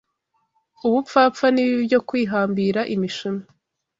ubupfapfa n’ibibi byo kwihambira imishumi